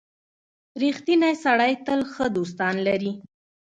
• رښتینی سړی تل ښه دوستان لري.